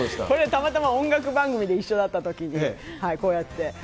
これはたまたま音楽番組で一緒だったときで、こうやって。